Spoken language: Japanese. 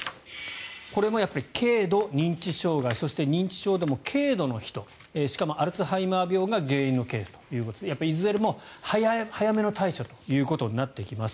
これも軽度認知障害そして、認知症でも軽度の人しかもアルツハイマー病が原因のケースということでいずれも早めの対処ということになってきます。